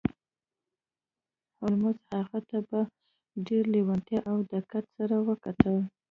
هولمز هغې ته په ډیره لیوالتیا او دقت سره وکتل